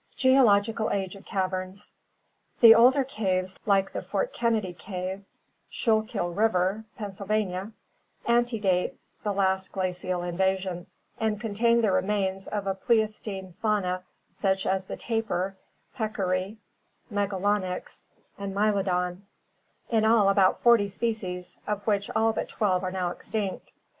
Geological Age of Caverns. — The older caves like the Port Ken nedy Cave, Schuylkill River, Pennsylvania, antedate the last glacial invasion and contain the remains of a Pleistocene fauna such as the tapir, peccary, Megalonyx and Mylodon, in all about forty species, of which all but twelve are now extinct.